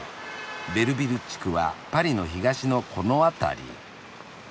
ベルヴィル地区はパリの東のこの辺り。